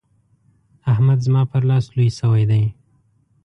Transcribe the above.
احمد زما پر لاس لوی شوی دی.